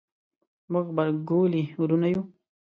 موږ غبرګولي وروڼه یو